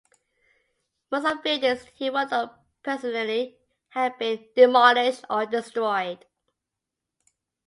Most of the buildings he worked on personally have been demolished or destroyed.